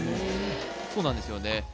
そうなんですよね